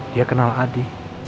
dia kenal adi